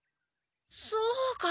そうか。